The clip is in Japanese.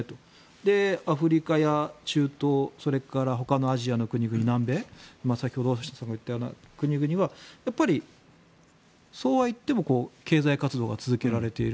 で、アフリカや中東それからほかのアジアの国、南米先ほど大下さんが言ったような国々はやっぱり、そうはいっても経済活動が続けられている。